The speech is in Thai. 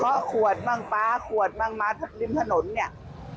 เพราะขวดบ้างปลาขวดบ้างมาริมถนนเนี่ย